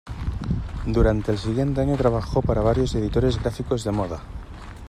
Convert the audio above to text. Durante el siguiente año trabajó para varios editores gráficos de moda.